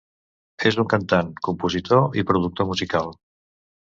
És un cantant, compositor i productor musical.